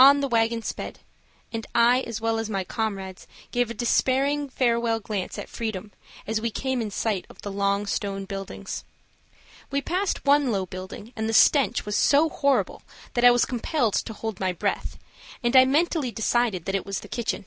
On the wagon sped, and I, as well as my comrades, gave a despairing farewell glance at freedom as we came in sight of the long stone buildings. We passed one low building, and the stench was so horrible that I was compelled to hold my breath, and I mentally decided that it was the kitchen.